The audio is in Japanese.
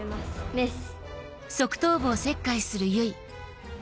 メス。